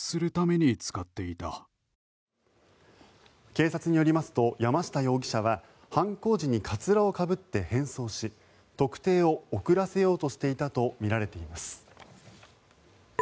警察によりますと山下容疑者は犯行時にかつらをかぶって変装し特定を遅らせようとしていたとみられています。